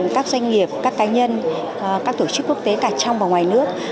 các doanh nghiệp các cá nhân các tổ chức quốc tế cả trong và ngoài nước